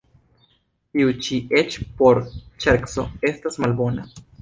Tiu ĉi eĉ por ŝerco estas malbona.